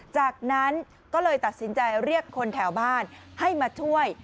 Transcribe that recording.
จากนั้นก็เลยตัดสินใจเรียกคนแถวบ้านให้มาช่วย